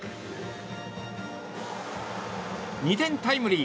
２点タイムリー。